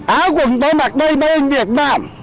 áo quần tôi mặc đây mây việt nam